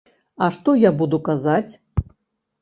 А што я буду казаць?